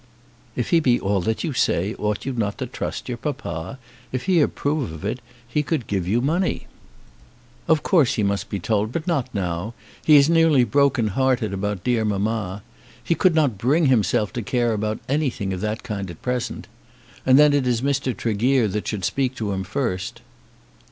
"If he be all that you say, ought you not to trust your papa? If he approve of it, he could give you money." "Of course he must be told; but not now. He is nearly broken hearted about dear mamma. He could not bring himself to care about anything of that kind at present. And then it is Mr. Tregear that should speak to him first."